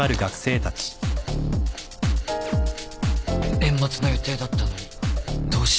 年末の予定だったのにどうして。